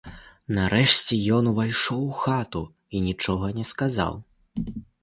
Нарэшце ён увайшоў у хату і нічога не сказаў.